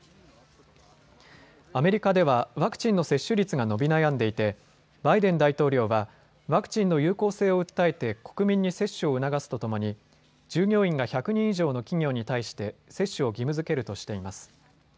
アメリカではワクチンの接種率が伸び悩んでいてバイデン大統領はワクチンの有効性を訴えて国民に接種を促すとともに従業員が１００人以上の企業に対して接種を義務づけるとしています。